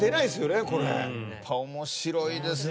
面白いですね。